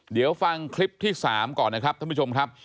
เดี๋ยวฟังคลิปที่๓ก่อนนะครับท่านผู้ชมครับ